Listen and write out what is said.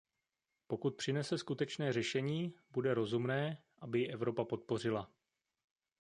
Pokud přinese skutečné řešení, bude rozumné, aby ji Evropa podpořila.